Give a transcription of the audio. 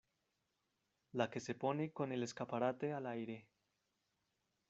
la que se pone con el escaparate al aire...